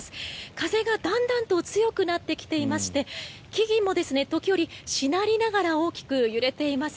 風がだんだんと強くなってきていまして木々も時折、しなりながら大きく揺れています。